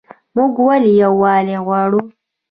موږ ولې یووالی غواړو؟